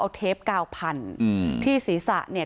เอาเทปเก้าพันธุ์อืมที่ศรีษะเนี่ย